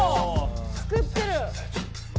作ってる！